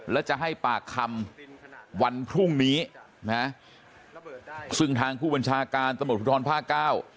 และจะให้ปากคำวันพรุ่งนี้นะซึ่งทางผู้บัญชาการตำรวจภูทรภาคเก้า